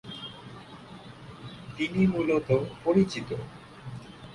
তিনি মূলত পরিচিত।